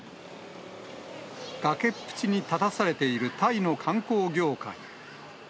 崖っぷちに立たされているタイの観光業界。